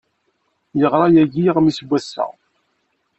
Yeɣra yagi aɣmis n wass-a.